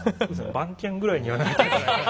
番犬ぐらいにはなったぐらい。